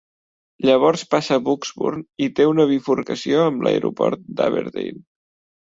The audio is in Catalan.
Llavors passa Bucksburn i té una bifurcació amb l'aeroport d'Aberdeen.